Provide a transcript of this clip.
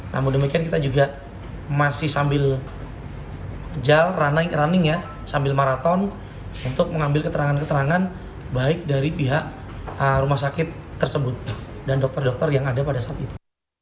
namun demikian kita juga masih sambil running ya sambil maraton untuk mengambil keterangan keterangan baik dari pihak rumah sakit tersebut dan dokter dokter yang ada pada saat itu